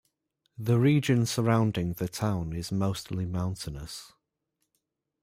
The region surrounding the town is mostly mountainous.